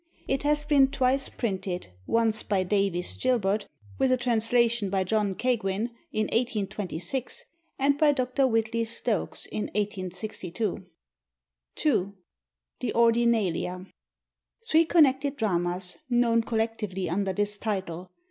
It has been twice printed, once by Davies Gilbert, with a translation by John Keigwin in 1826, and by Dr. Whitley Stokes in 1862. 2. The Ordinalia. Three connected dramas, known collectively under this title.